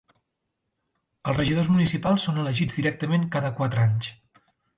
Els regidors municipals són elegits directament cada quatre anys.